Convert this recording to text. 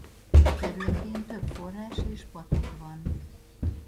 Területén több forrás és patak van.